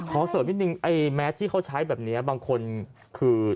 เสริมนิดนึงไอ้แมสที่เขาใช้แบบนี้บางคนคือ